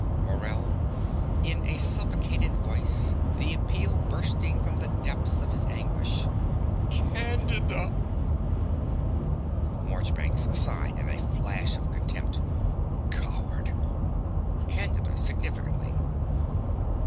MORELL (in a suffocated voice the appeal bursting from the depths of his anguish). Candida! MARCHBANKS (aside, in a flash of contempt). Coward! CANDIDA (significantly).